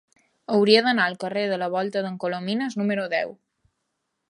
Hauria d'anar al carrer de la Volta d'en Colomines número deu.